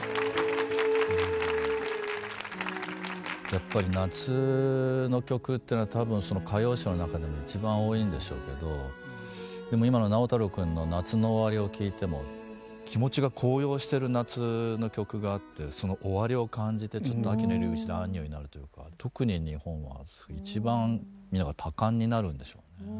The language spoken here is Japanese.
やっぱり夏の曲っていうのは多分その歌謡史の中でも一番多いんでしょうけどでも今の直太朗くんの「夏の終わり」を聴いても気持ちが高揚してる夏の曲があってその終わりを感じてちょっと秋の入り口でアンニュイになるというか特に日本は一番みんなが多感になるんでしょうね。